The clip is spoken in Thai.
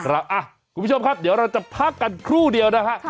คุณผู้ชมครับเดี๋ยวเราจะพักกันครู่เดียวนะฮะ